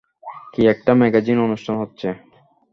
কি একটা ম্যাগাজিন অনুষ্ঠান হচ্ছে।